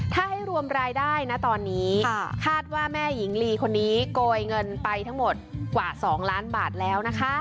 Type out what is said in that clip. ถ้าให้รวมรายได้นะตอนนี้คาดว่าแม่หญิงลีคนนี้โกยเงินไปทั้งหมดกว่า๒ล้านบาทแล้วนะคะ